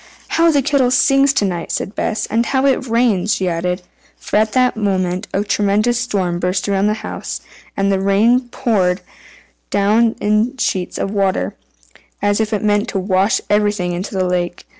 "How the kettle sings to night!" said Bess, "and how it rains!" she added. For at that moment a tremendous storm burst around the house, and the rain poured down in sheets of water, as if it meant to wash everything into the lake.